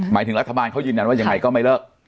หมายถึงรัฐบาลเขายืนยันว่ายังไงก็ไม่เลิก